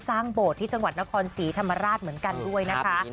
โบสถ์ที่จังหวัดนครศรีธรรมราชเหมือนกันด้วยนะคะ